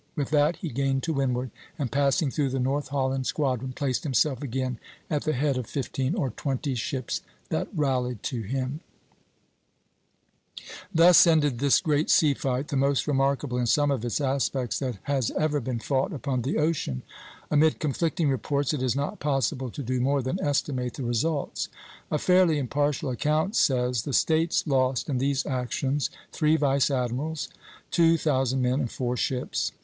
With that he gained to windward, and passing through the North Holland squadron, placed himself again at the head of fifteen or twenty ships that rallied to him." [Illustration: Pl. II.] Thus ended this great sea fight, the most remarkable, in some of its aspects, that has ever been fought upon the ocean. Amid conflicting reports it is not possible to do more than estimate the results. A fairly impartial account says: "The States lost in these actions three vice admirals, two thousand men, and four ships.